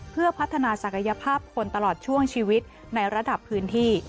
เพื่อพัฒนาศักยภาพคนตลอดช่วงชีวิตในระดับพื้นที่